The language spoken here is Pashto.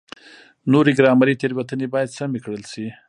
نورې ګرامري تېروتنې باید سمې کړل شي.